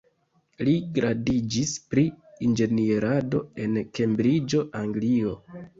Li gradiĝis pri Inĝenierado en Kembriĝo, Anglio.